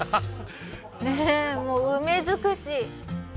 ねぇもう梅づくし。